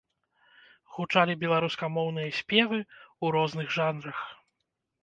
Гучалі беларускамоўныя спевы ў розных жанрах.